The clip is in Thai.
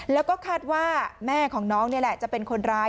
แล้วก็คาดว่าแม่ของน้องนี่แหละจะเป็นคนร้าย